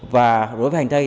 và đối với hành tây